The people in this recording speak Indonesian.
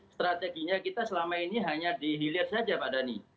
strateginya kita selama ini hanya dihilir saja pak dhani